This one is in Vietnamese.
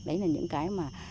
đấy là những cái mà